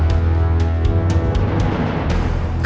aku bisa menjadi suami yang baik